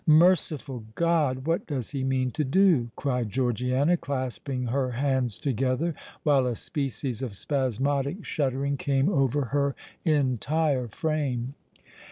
"Merciful God! what does he mean to do?" cried Georgiana, clasping her hands together, while a species of spasmodic shuddering came over her entire frame.